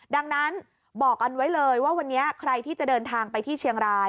ดังนั้นบอกกันไว้เลยว่าวันนี้ใครที่จะเดินทางไปที่เชียงราย